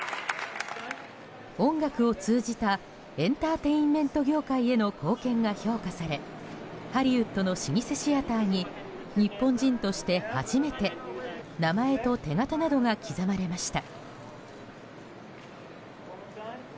音楽を通じたエンターテインメント業界への貢献が評価されハリウッドの老舗シアターに日本人として初めて名前と手形などが刻まれました。